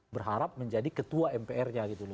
berharap menjadi ketua mpr nya gitu loh